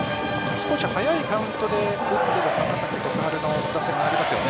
早いカウントで打っている花咲徳栄の打線がありますね。